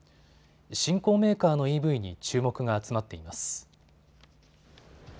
新興メーカーのＥＶに注目が集まっています。